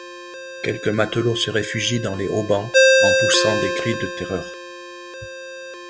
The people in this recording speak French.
Quelques matelots se réfugient dans les haubans en poussant des cris de terreur.